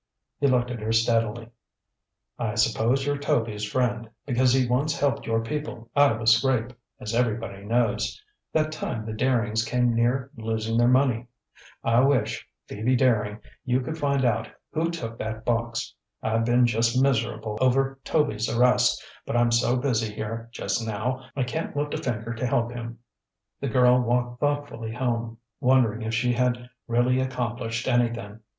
He looked at her steadily. "I suppose you're Toby's friend, because he once helped your people out of a scrape, as everybody knows that time the Darings came near losing their money. I wish, Phoebe Daring, you could find out who took that box. I've been just miserable over Toby's arrest; but I'm so busy here, just now, I can't lift a finger to help him." The girl walked thoughtfully home, wondering if she had really accomplished anything.